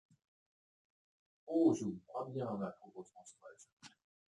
Oh! je vous crois bien, ma pauvre Françoise !